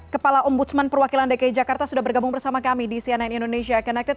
kepala ombudsman perwakilan dki jakarta sudah bergabung bersama kami di cnn indonesia connected